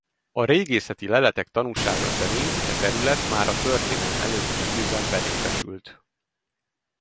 A régészeti leletek tanúsága szerint e terület már a történelem előtti időben benépesült.